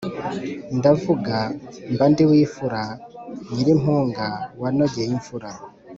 ndavuga mbandiwimfura nyirimpunga wanogeye imfura.